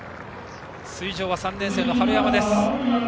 水城は３年生の春山です。